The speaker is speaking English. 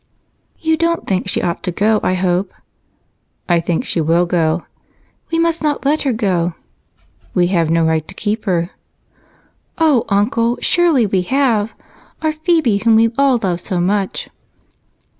"You don't think she ought to go, I hope?" "I think she will go." "We must not let her." "We have no right to keep her." "Oh, Uncle, surely we have! Our Phebe, whom we all love so much."